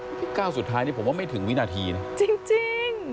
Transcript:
ที่ก้าวสุดท้ายนี่ผมว่าไม่ถึงวินาทีนะจริง